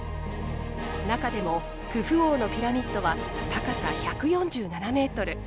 中でもクフ王のピラミッドは高さ１４７メートル。